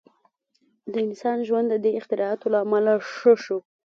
• د انسان ژوند د دې اختراعاتو له امله ښه شو.